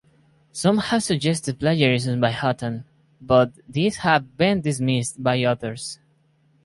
Some had suggested plagiarism by Hutton but these have been dismissed by others.